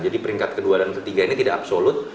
jadi peringkat kedua dan ketiga ini tidak absolut